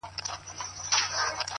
یوه ورځ پر یوه لوی مار وو ختلی،